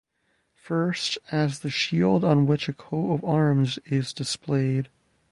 First, as the shield on which a coat of arms is displayed.